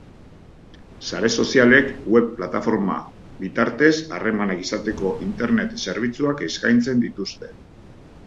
Sare sozialek web plataforma bitartez harremanak izateko internet-zerbitzuak eskaintzen dituzte.